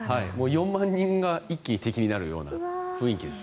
４万人が一気に敵になるような感じです。